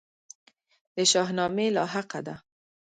د شاهنامې لاحقه ده.